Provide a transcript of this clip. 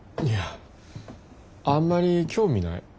いやあんまり興味ない。